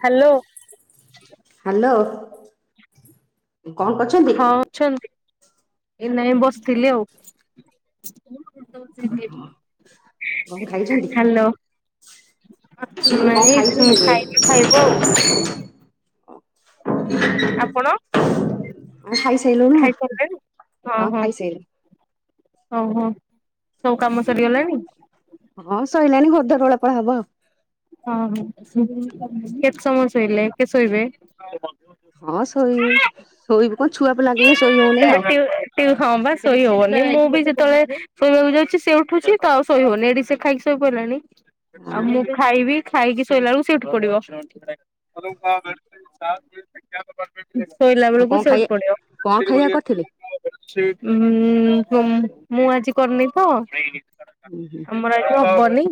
Hello. Hello କଣ କରଛନ୍ତି। ଅ ଏ ନାଇଁ ବସିଥିଲି ଆଉ। ହ୍ୟାଲୋ। ଶ କ ନାଇଁ ଖାଇଛ ଖାଇଲୁ ଖାଇବୁ ଆଉ ନିକ। ଆପଣ ହଁ ଖାଇସାରିଲୁଣି ନା ଖାଇସାରିଲେଣି? ହଁ ଖାଇସାରିଲୁ। ଓହୋ ସବୁ କାମ ସରିଗଲାଣି। ହଁ ସରିଲଣି ଗୋଧଡୋଳା ପା ହବ। ଓ ହ କେତେ ସମୟ ଶୋଇଲେ କେ ଶୋଇବେ। ହଁ ଶୋଇ ଶୋଇବୁ କଣ ଛୁଆ ପ ଲାଗେଇ ଶୋଇ ହଉନି ଆଉ। ହଁ ବା ଶୋଇ ହବନି ମୁଁ ବି ଯେତେବେଳେ ଶୋଇବାକୁ ଯାଉଛି ସେ ଉଠୁଛି ତ ଆଉ ଶୋଇ ହବନି ଏଠି ସେ ଖାଇକି। ସବ କିଲଣି ଆଉ ହଁ ମୁ। ଖାଇକି ଶୋଇଲା ବଳକୁ ସେଠୁ ପଡିବ। ଶୋଇଲା ଆଉ ବେଳକୁ କଣ ସେଠି ଖାଇବା ପଡିବ। କଣ ଖାଇବା କରିଥିଲେ? ମୁଁ ଆଜି କରିନେଇ ତ। ହୁଁ ହୁଁ। ଆମର ଏଠ ଅବନି।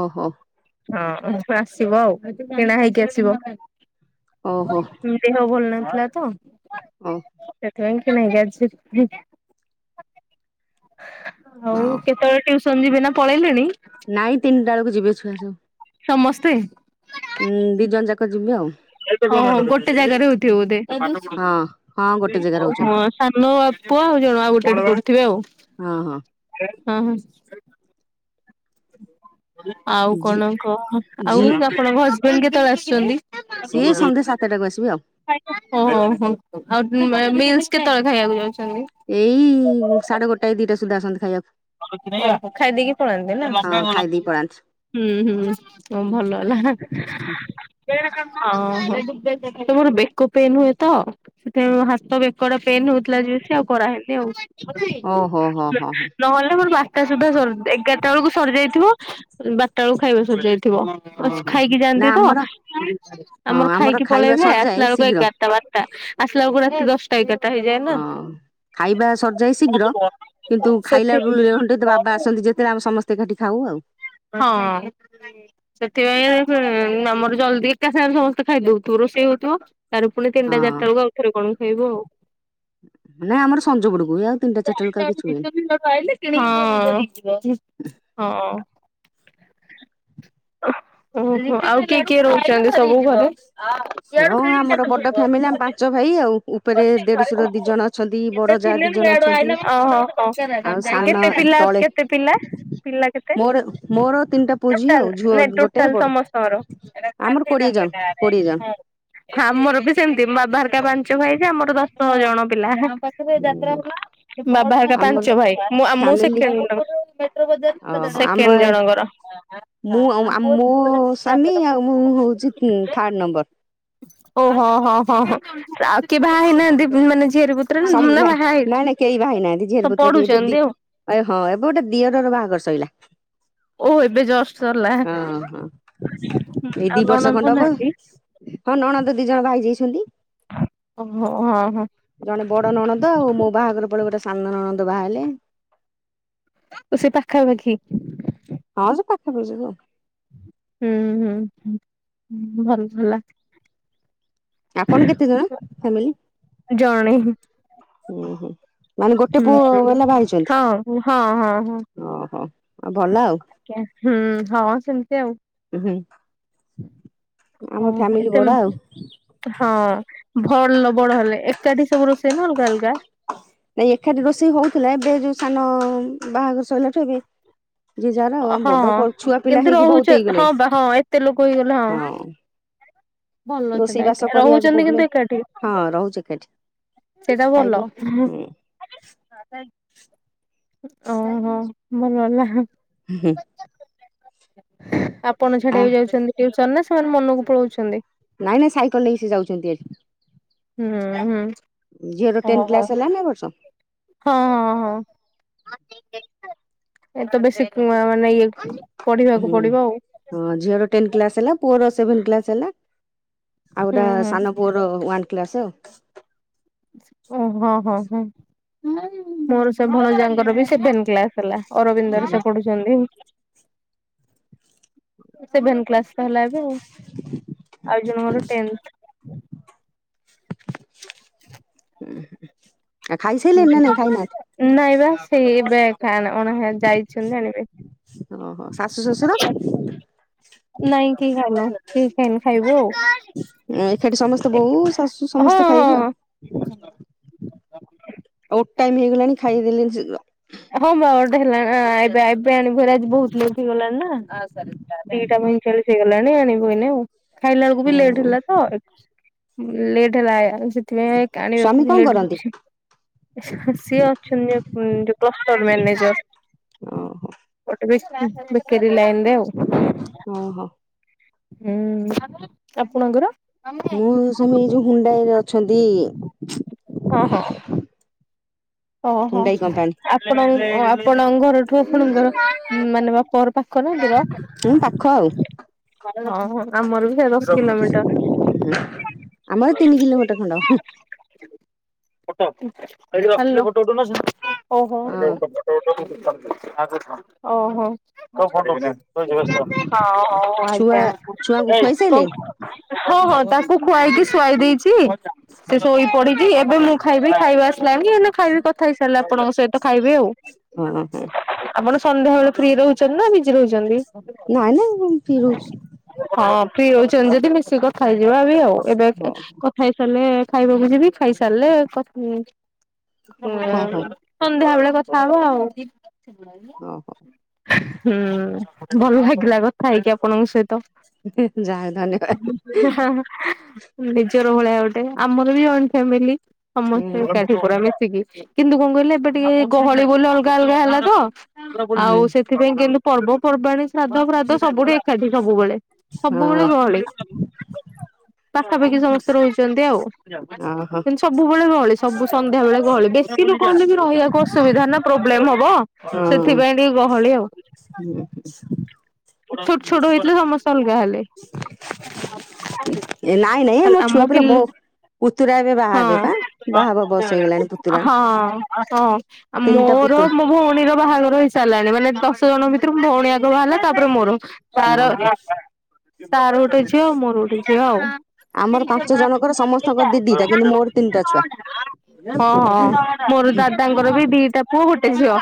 ଓହୋ। ହଁ ଆସିବ ଆଉ କିଣା ହେଇକି ଆସିବ। ଓହୋ। ଦେହ ଭଲ ନଥିଲା ତ। ଓ ସେଥିପାଇ କି ନାାଇଁଜି। ହଉ କେତେବେଳେ ଟ୍ୟୁସନ ଯିବି ନା ପଳେଇଲେଣି। ନାଇଁ ତିନି ବେଳକୁ ଯିବ ଛୁଆବୁ। ସମସ୍ତେ ଉଁ ଦି ଜଣ ଯାକ ଯିବି ଆଉ ଗୋଟେ ଜାଗାରେ ହଉଥିବ ବୋଧେ ହଁ ହଁ ଗୋଟେ ଜାଗା ରହୁଛନ୍ତି ହଁ ସାନ ବାପୁ ଆଉ ଜଣ ଆଉ ଗୋଟେ ଗେ କରୁଥିବେ ଆଉ। ହଁ ହଁ। ହଁ ହଁ। ଆଉ ଝି କଣ କହ ଆଉ ଝି ଆପଣଙ୍କ ହଜବେଣ୍ଡ କେତେବେଳେ ଆସିଛନ୍ତି ସିଏ ସନ୍ଧ୍ୟା ସାତଟା କୁ ଆସିବି ଆଉ ଓହୋ ହୋ ଆଉ ମିଲିସ କେତେବେଳେ ଖାଇବାକୁ ଯାଉଛନ୍ତି ଏଇ ସାଢେ ଗୋଟାଏ ଦିଟା ସୁଦ୍ଧା ଆସନ୍ତି ଖାଇବାକୁ ଖାଇଦେଇକି ପଳାନ୍ତି ହଁ ନା ଖାଇଦେଇ ପଳାନ୍ତି। ହୁଁ ହୁଁ କ ଭଲ ହେଲା ହଁ ତମର ବେକ ପେନ ହୁଏ ତ ସେଥି ହାତ କଡା ପେନ୍ ହଉଥିଲା ଯଏ ଆଉ କରାହେଇନି ଆଉ ଓହୋ ହୋ ହୋ ହୋ ନହେଲେ ମୋର ବାରଟା ସୁଦ୍ଧା ସ ଏଗାରଟା ବେଳକୁ ସରିଯାଇଥିବ ବାରଟା ବେଳକୁ ଖାଇବା ସରିଯାଇଥିବ ଓହୋ ଖାଇକି ନା ଯାଆନ୍ତି ଆମର ତ ହଁ ଆମର ଖାଇକି ଖାଇବା ପଳେଇବେ ସରିଯାଏ ଆସିଲା ବେଳକୁ ଶୀଘ୍ର ଏଗାର ଦଶଟା ବାରଟା ଆସିଲା ଗୁଡାକୁ ଦଶଟା ତ୍ା ହେଇଯେ ହଁ ଖାଇବା ସର୍ଯାଏ ଶୀଘ୍ର କିନ୍ତୁ ସେଥି ଖାଇଲା ୁ ଘଣ୍ ବାବା ଆସନ୍ତି ଯେତେବେଳେ ଆମ ସମସ୍ତେ ଏକାଠି ଖାଉ ଆଉ ହଁ ସେଥିପାଇଁ ଆମର ଜଲଦି ଏକା ସାଙ୍ଗରେ ସମସ୍ତେ ଖାଇଦଉଥିବ ରୋଷେଇ ହଉଥିବ। ତାର ପୁଣି ତିନଟା ହଁ ଚାରିା ବଳକୁ ଆଉଥରେ କଣ ଖାଇବ ଆଉ। ମାନ ଆମର ସଞ୍ଜୁଡକୁ ଆଉ। ତିନିଟା ଚାରିଟା ବେଳକୁ ଆଉ କିଛି ହୁଏନି ହଁ ହଁ। ଓହୋ ଆଉ କିଏ କିଏ ରହୁଛନ୍ତି ସବୁ ଘରେ ହ ହଁ ଆମର ବଡ ଫ୍ୟାମିଲି ଆମ ପାଞ୍ଚ ଭାଇ ଆଉ ଉପରେ ଦେଢଶୁର ଦିଇ ଜଣ ଅଛନ୍ତି ବଡ ଯା ଦି ଜଣ ଅଛନ୍ତି ହୋ ଆଉ ସାନ କେତେ ପିଲା ତଳେ କେତେ ପିଲା? ପିଲା କେତେ ମୋର ମୋର ତିନିଟା ପୁଅ ଝିଅ ଟୋଟାଲ ଆଉ ଝୁଅ ନାଇଁ ଗୋଟେ ଟୋଟାଲ ବଡ ସମସ୍ତଙ୍କର ଆମର କୋଡିଏ ଜଣ କୋଡିଏ ଜଣ ଆମର ବି ସେମିତି ବାହାରକା ପାଞ୍ଚ ଭାଇ ଯେ ଆମର ଦଶ ଜଣ ପିଲା ବାବା ହୁଁ, ଘରିକା ଆମର ପାଞ୍ଚ ଭାଇ ମୁଁ ଫ୍ୟାମିଲି ସେକେଣ୍ଡ ଓହୋ ସେକେଣ୍ଡ ଆମ ଜଣଙ୍କର ମୁଁ ଆଉ ମୋ ସ୍ୱାମି ମୁଁ ହେଉଛି ଥାର୍ଡ଼ ନମ୍ବର ଓହୋ ହଁ ହଁ ହଁ ଆଉ କି ବାହା ହେଇନାହାନ୍ତି ମାନେ ଝିଅରେ ବ ନାଇଁ ନାଇଁ ନାଇଁ କେହି ବା ହେନାହାଁନ୍ତି ଝିର ସବୁ ପୁତ୍ର କେହି ବଦି ପଢୁଛନ୍ତି ଆଉ। ଏ ହଁ ଏବେ ଗୋଟେ ଦିଅରର ବାହାଘର ଓ ଏବେ ଜଷ୍ଟ ସରିଲା। ଶଇଲାା ଓ ହୋ ହୁଁ ଏଇ ଆଉ ଦି ବର୍ଷ ନଣନ୍ଦ ଖଣ୍ଡ ହବ ନାହାନ୍ତି? ହଁ ନଣନ୍ଦ ଦି ଜଣ ଭାଇ ଯାଇଛନ୍ତି ଓହୋ ହ ହୋ ଜଣେ ବଡ ନଣନ୍ଦ ଆଉ ମୋ ବାହାଘର ପଳେଇ ଗୋଟେ ସାଙ୍ଗ ନଣନ୍ଦ ବାହା ହେଲେ ସେ ପାଖାପାଖି ହଁ ଯୋ ପାଖାପ ଯିବୁ ହୁଁ ହୁଁ ଭଲ ଭଲ ଆପଣ କେତେ ଜଣ ଫ୍ୟାମିଲି ଜଣେ ହିଁ ହୁଁ ହୁଁ ମାନେ ଗୋଟେ ପୁଅ ଵାଲା ହଁ ହଁ ହଁ ବାହାହେଇଛନ୍ତି ଓହୋ ଆଉ ଭଲ ଆଉ ଆଜ୍ଞା ହୁଁ ହଁ ସେମିତି ଆଉ ହୁଁ ଆମ ଓ ଏ ଫ୍ୟାମିଲି ସେ ବଡ ଆଉ ହଁ ଭଲ ବଡ ହେଲେ ଏକାଠି ସବୁ ରୋଷେଇ ନା ଅଲଗା ଅଲଗା ନାଇଁ ଏକାଠି ରୋଷେଇ ହଉଥିଲା ଏବେ ଯୋଉ ସାନ ବାହାଘର ସୋଇଲାଠୁ ଏବେ ଯ ଯାହାର ଆଉ ଆମ ହଁ ବଡ ଛୁଆ ପିଲା କିନ୍ତୁ ହେଇକି ରହୁଛ ବହୁତ ହେଇଗଲେ ହଁ ବା ହଁ ଏତେ ଲୋକ ହେଇଗଲେ ହଁ ଭଲ ସେଟା ରୋଷେଇ ବାସ କରିବାକୁ ରହୁଛନ୍ତି କିନ୍ତୁ ଏକାଠି ପ୍ରୋବ୍ଲେମ ହଁ ରହୁଛି କେଠି ସେଇଟା ଭଲ ଓହୋ ମୋ ନନା। ଉଁ ହୁଁ। ପଣ ଆ ଛାଡିବାକୁ ଯାଉଛନ୍ତି ଟିଉସନ ରେ ସେମାନେ ମନକୁ ପଳଉଛନ୍ତି। ନାଇଁ ନାଇଁ ସାଇକେଲ ନେଇକି ସେ ଯାଉଚନ୍ତି ଏବେ। ହୁଁ ହୁଁ। ଝିଅର ଟେନ୍ ଓହୋ କ୍ଲାସ ହେଲା ନା ଏ ବର୍ଷ? ହଁ ହଁ ହଁ [unintelligible] ଏତେ ବେଶୀ କୁଆଁ ମାନେ ଇଏ କଁ ପଢିବାକୁ ହୁଁ ପଡିବ ଆଉ। ହଁ ଝିଅର ଟେନ୍ କ୍ଲାସ ହେଲା ପୁଅର ସେଭେନ କ୍ଲାସ ହେଲା [inaudible] ଆଉ ହୁଁ ଗୋଟେ ହୁଁ ସାନ ପୁଅର ୱାନ୍ କ୍ଲାସ୍ ଆଉ। ଓଃ ହଁ ହଁ ହଁ ମୋର ସେ ଭଣଯାଙ୍କର ବି ସେଭେନ୍ କ୍ଲାସ ହେଲା। ଅରବିନ୍ଦରେ ହୁଁ ସେ ପଢୁଛନ୍ତି [inaudible] ସେଭେନ୍ କ୍ଲାସ୍। ହେଲା ଏବେ ଆଉ [inaudible] ଆଉ ଜଣେ ମୋର ଟେନ୍ଥ। [unintelligible] ଉଁ ହୁଁ। ନାଇଁ ବା ସେଇ ଏବେ ଅଣା ଯାଇଛନ୍ତି ଆଣିବେ ଓହୋ ଶାଶୁ ଶଶୁର ନାଇଁ କେଇ ଖାଇନୁ କେଇ ଖାଇନୁ ଖାଇବୁ ଆଉ। ଏକାଠି ସମସ୍ତେ ବୋଉ ଶାଶୁ ହଁ ସମସ୍ତେ ହଁ ଖାଇବେ ଆଉ। ବେଟାଇମ୍ ହେଇଗଲାଣି ଖାଇଦେଲିଣି ଶୀଘ୍ର। ହଁ ବା ଗୋଟେ ହେଲା ଏବେ ଆଇପ୍ ପେନ୍ ଭେରାଇଟ୍ ବହୁତ୍ ନେଇକି ଗଲାଣି ନା ଦିଇଟା ପଇଁଚାଳିଶ ହେଇଗଲାଣି ଆଣିିବୁ ଏଇନେ ଆଉ। ଖାଇଲା ବେଳକୁ ବି ଲେଟ୍ ହେଲା ତ [inaudible] ଲେଟ୍ ହେଲା। ସେଥିପାଇଁ ବି କାଣିବାକୁ ସ୍ଵାମୀ ବି କଣ ଲେଟ୍ କରନ୍ତି ହଉଚି [inaudible] ସିଏ ଅଛନ୍ତି ଏ ପର୍ଯ୍ୟନ୍ତ। ପ୍ଲୋଷ୍ଟର ମେନେଜର ଓହୋ [inaudible] ଗୋଟେ ପିସ୍ ବିକାରି ଲାଇନରେ ଆଉ। ଓ ହୋ। ହୁଁ ଆପଣଙ୍କର ମୋ ସ୍ଵାମି ଏଇ ଯୋଉ ହୁଣ୍ଡାଇରେ ଅଛନ୍ତି। ହଁ ହଁ। ଓହୋ ହୁଣ୍ଡାଇ କମ୍ପାନୀ ଆପଣ [unintelligible] ଆପଣଙ୍କ ଘରଠୁ ଆପଣଙ୍କ ଘର ମାନେ ବାପଘର ପାଖ ନା ଦୂର। ହୁଁ ପାଖ ଆଉ। ହଁ ହଁ ଆମର ବି ଦେଢ଼ଶହ କିଲୋମିଟର। ଆମର ତିନି [unintelligible] କିଲୋମିଟର ଖଣ୍ଡ ଫଟାଫଟ୍ ହଁ ଏଠି ଦଶ ହାଲୋ କିଲୋ ଫଟୋ ଉଠୋଉନା ଓଃ ହୋ। [unintelligible] ଓହୋ ସବ୍ ଫଟୋଉଚି ରହିଯା ବ୍ୟସ୍ତ ହୋନା ହଉ ହଉ। ଆଜ୍ଞା ଛୁଆ ଆଜ୍ଞା ଛୁଆଙ୍କୁ ଏଇ ଖୁଆଇ କଁ ସାଇଲେଣି? କହୁଚ? ହଁ ହଁ ତାକୁ ଖୁଆଇକି ଶୁଆଇ ଦେଇଚି। ସେ ଶୋଇ ପଡି ଏବେ ମୁଁ ଖାଇବି ଖାଇବା ଆସିଲାଣିି ଏଇଲେ ଖାଇବି କଥା ହେଇସାରିଲା ପରେ ଆପଣଙ୍କ ସହିତ ଖାଇବି ଆଉ ହଁ ହଁ [inaudible] ଆପଣ ସନ୍ଧ୍ୟା ବେଳେ ଫ୍ରି ରହୁ ଚନା ବିଜି ରହୁଚନ୍ତି। ନାଇଁ ନାଇଁ ମୁଁ ଫ୍ରି ରହୁଚି। ହଁ ପ୍ରି ହଉଚନ୍ତି ଯଦି ମିଶିକି କଥା ହେଇଯିବା ବି ଆଉ ଏବେ ଏ ହଉ କ ଖାଇସାରିଲେ ଖାଇବାକୁୁ ଯିବି ଖାଇସାରିଲେ କତ୍ ହଁ ହଉ। [unintelligible] ସନ୍ଧ୍ୟା ବେଳେ କଥା ହବା ଆଉ। [inaudible] ଓହୋ ହୁଁ ଭଲ ଲାଗିଲା କଥା ହେଇକି ଆପଣଙ୍କ ସହିତ। [inaudible] ଯାହା ହଉ ଧନ୍ୟବାଦ ହଁ ଅଁ ନିଜର ଭଳିଆ ଗୋଟେ ଆମର ବି ଜଏଣ୍ଟ ଫେମିଲି ହୁଁ ସମସ୍ତେ ହୁଁ ଏକାଠି ପୁରା ମିଶିକି। କିନ୍ତୁ କଁ କହିଲେ ଏବେ ଟିକେ ଗହଳି ବୋଲି ଅଲଗା ଅଲଗା ହେଲା ତ ଆଉ ସେଥିପା ସେଥିପାଇଁ କିନ୍ତୁ ପର୍ବପର୍ବାଣି ଶ୍ରାଦ୍ଧ ଫ୍ରାଧ ସବୁଠି ଏକାଠି ସବୁବେଳେ। ସବୁବେଳେ ହଁ। ଗହଳି [inaudible] ପାଖାପାଖି ସମସ୍ତେ ରହୁଚନ୍ତି ଆଉ। ଓହୋ ହଁ କିନ୍ତୁ ସବୁବେଳେ ଗହଳି ସବୁ ସନ୍ଧ୍ୟା ବେଳେ ଗହଳି ବେଶୀ ଲୋକ ହେଲେ ବି ରହିଆକୁ ଅସୁବିଧା ନା ପ୍ରୋବ୍ଲେମ ହବ। ସେଥିପାଇଁ ଟିକେ ଗହଳି ଆଉ। ହଁଖ ଛୋଟ ଛୋଟ ହେଇଥିଲେ ସମସ୍ତେ ଅଲଗା ହେଲେ ଏ ନାଇଁ ନାଇଁ କ ମୋ ଛୁଆ ଆମ ପିଲା ପିଲ ମୋ ପୁତୁରା ଏବେ ବାହା ହେବେ ପା ବାହା ହବା ବୟସ ହଁ ହେଇଗଲାଣି ପୁତୁରା ହଁ ହଁ ତିନିଟା ମୋର ପୁତୁରା ଭଉଣୀର ବାହାଘର ହେଇସାରିଲାଣି ମାନେ ଦଶ ଜଣ ଭିତରୁ ଭଉଣୀ ଆଗ ବାହାରିଲା। ତାପରେ ମୋର ତାର ଓହୋ। ତାର ଗୋଟେ ଝିଅ ମୋର ଗୋଟେ ଝିଅ ଆଉ। ସେ ଆମର ପାଞ୍ଚ ଜଣଙ୍କର ସମସ୍ତଙ୍କର ଦି ଦିଟା କିନ୍ତୁ ମୋର ତିନିଟା ଛୁଆ ହ ହ ମୋର ଦାଦାଙ୍କର ବି ଦିଟା ପୁଅ ଗୋଟେ ଝିଅ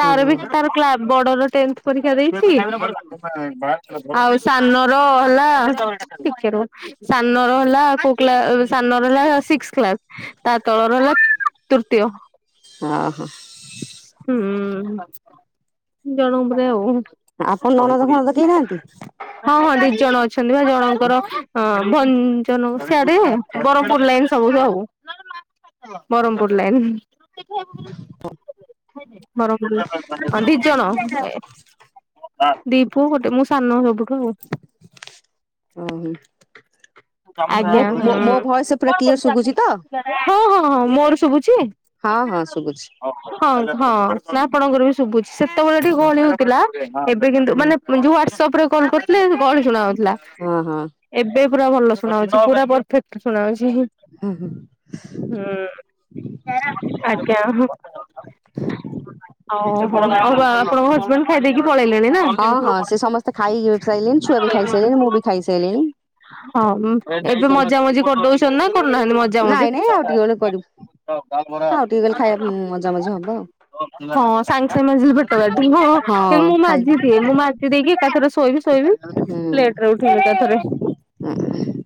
ତାର ବି ହଁ ତାର ବଡର ଟେନ୍ଥ ପରୀକ୍ଷା ଦେଇଛି। ଆଉ ସାନର ହେଲା ଟିକେ ରୁହ। ସାନର ହେଲା କୋକ ସାନ ର ହେଲା ସିକ୍ସ କ୍ଲାସ ତା ତଳର ହେଲା ତୃତୀୟ, ଓହୋ। ହୁଁ ଜଣ ବଧେ ଆଉ। ଆପ ନଣଦ ଫଣଦ କେହି ନାହାନ୍ତି। ହଁ ହଁ ଦି ଜଣ ଅଛନ୍ତି ବା ଜଣଙ୍କର ହଁ। ଭଞ୍ଜନ ସଆଡେ ବରପୁର ଲାଇନ ସବୁ ଆଉ, ବରମପୁର ଲାଇନ, ବରଁ ଦି ଜଣ। ଦୀପୁ ଗୋଟେ ମୁଁ ସାନ ସବୁଠୁ ଆଉ। ଓଃ ହୋ। ଆଉ ଆଜ୍ଞା ଶୁଭୁଛି ତ? ହଁ ହଁ ହଁ ହଁ ମୋର ଶୁଭୁଛି। ହଁ ହଁ ଶୁଗୁଛି। ହଁ ହଁ ନା ଆପଣଙ୍କର ବି ଶୁଭୁଛି ସେତେବେଳେ ଟିକେ ହଁ ଗହଳି ହଁ ହଉଥିଲା ଏବେ କିନ୍ତୁ ମାନେ ାନେଉ ହ୍ୱାଟସଆପ ରେ କଲ୍ୁଥିଲେ କ ଶୁଣାଉଥିଲା। ହଁ ହଁ। ଏବେ ପୁରା ଭଲ ଶୁଣାଉଛି ପୁରା ପରେକ୍ଟ ଶୁଣାଉଛି। ହ ହ ଆଜ୍ଞା [inaudible] ଆଉ ଆପଣଙ୍କ ହଜବେଣ୍ଡ ଖାଇଦେଇକି ପଳେଇଲେଣି ନା। ହଁ ହଁ ସେ ସମସ୍ତେ ଖାଇ ସାରିଲିଣି ଛୁଆ ବି ଖାଇସାରିଲଣି ମୁଁ ବି ଖାଇସାରିଲିଣି। ହଁ ଏବେ ମଜା ମଜିଜି କରିଦଉଛନ୍ତି ନା କରୁନାହାନ୍ତି ମଜା ମଜି ନାଇଁ ନାଇଁ ଆଉ ଟିକେ ବେଳେ କରିବୁ ହଉ ବାଲ ବରା ଆଉ ଟିକେ ଗଲେ ଖାଇବା ମଜାମଜି ହବ ଆଉ। ହଁ ସାଙ୍ଗେସଙ୍ଗେ ମଝିଲ ପେଟ ବାଟ ହ ଏ ହଁ ମୁଁ ଖାଇ ମାଝି ଦିଏି। ମୁଁ ମାଚ ଦେଇକି ଏକାଥରେ ଶୋଇବି ଶୋଇବି ପ୍ଲେଟ ରେ ଉଠେଇବି ଏକ ଥରେ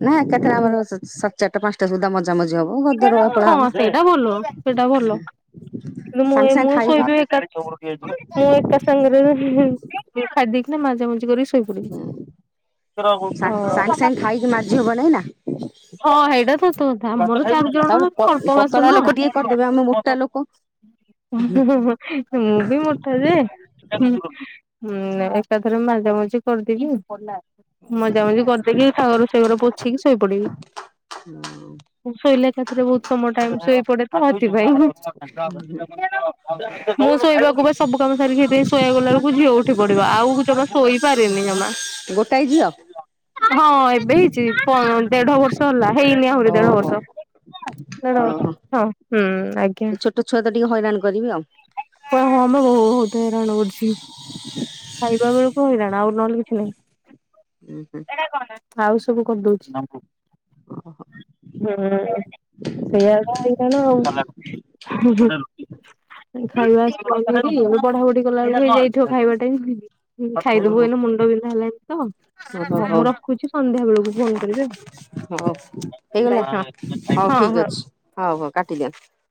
ନାଇଁ କେତେରେ ଆମର ସାତ ଚାରିଟା ପାଞ୍ଚଟା ସୁଦ୍ଧା ମ ମାମ ହବ ଗଦ ରଳା ପଳା ହଁ ହବ। ସେଇଟା ଭଲ ସେଇଟା ଭଲ କିନ୍ତୁ ମୁଁ ସାଙ୍ଗେ ସାଙ୍ଗେ ମଁ ଖାଇକି ସହିତ। ମୁଁ ଏକ ସାଙ୍ଗରେ ଖାଦିକ ନା ମାା ଗ [inaudible] ଝିଉ ବନାଇନା। ହଁ ସେଇଟା ତତ କଥା ମୋର ଚାରି ଜଣ ତାପରେ ଅଳ୍ପ ପତଳା ଲୋକ ଟିକେ କରିଦେବେ ଆମେ ବାସନ। ମୋଟା ଲୋକ ମୁଁ ବି ମୋଠା ଯେ ଁ ଏକାଥରେ ମଜାାମଜି କରିଦେବି ଭଲା ମଜା ମଜି କରିଦେଇକି ସାଘରୁ ସେଘର ପୋଛକି ଶୋଇପଡିବି। ହୁଁ ଶୋଇଲା କତିରେ ବହୁତ ସମୟ ଟାଇମ ଶୋଇ ପଡେ ତ ରାତି ପାଇଁ ଆ ହୁଁ ହୁଁ ମୁଁ ଶୋଇବାକୁ ବା ସବୁ କାମ ସାରିାଇି ଶୋଇବା ଗଲା ବବେଳକୁ ଝିଅ ଉଠି ପଡ ଆଉ ଜମା ଶୋଇପାରିନି ଜମା ଗୋଟା ହେଇ ଯିବ ହଁ ଏବେ ହେଇଛି ଦେଢ ବର୍ଷ ଲା ହେଇନି ଆହୁରି ଓହୋ। ଦେଢଷଢ ଓହୋ ହଁ ହୁଁ ଆଜ୍ଞା ଏ ଛୋଟ ଛୁଆ ତ ଟିକେ ହଇରା କରିବି ଆଉ ହ ହଁମ ବ ହତ ରାଣବଛି ଖାଇବା ବେଳକୁ ହେଇଲାଣି ଆଉ ନହେଲେ କିଛି ନାହିଁ ହୁଁ ହୁଁ। ଆଉ ସବୁ କରିଣ ଦଉଛି ଓହୋ ହୁଁ ସେଇଆ ହେଗଣ ଆଉ ଖାଇବା ପଢାପଢି କଲା ହେଇଯାଇଥିବ ଖାଇବା ଟ ହୁଁ ଖାଇଦେବୁ ଓହୋ ଏନ ମୁଣ୍ଡ ବିିନ୍ଧା ହେଲାନି ତ ଓହୋ ହଉ ହଉ ମୁଁ ରଖୁଛି ସନ୍ଧ୍ୟା ବେଳକୁ ଫୋନ କରିବି ଆଉ ହଉ ବାଏ ହେଇଗଲା ହଁ ହଁ ହଉ ହଁ। ଠିକ ଅଛି ହଉ ହଉ କାଟିଦିଅନ୍ତୁ